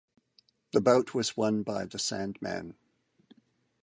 The bout was won by The Sandman.